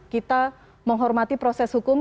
kita menghormati proses hukum